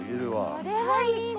これはいいな。